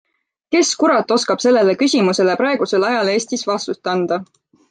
Kes kurat oskab sellele küsimusele praegusel ajal Eestis vastust anda.